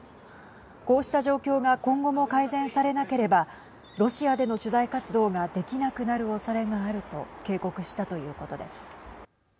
こうした状況が今後も改善されなければロシアでの取材活動ができなくなるおそれがあると警告したということです。